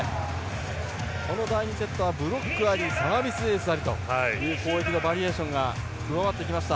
この第２セットはブロックありサービスエースありという攻撃のバリエーションが加わってきました。